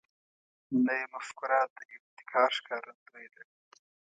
نوې مفکوره د ابتکار ښکارندوی ده